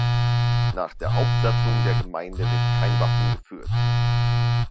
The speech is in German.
Nach der Hauptsatzung der Gemeinde wird kein Wappen geführt.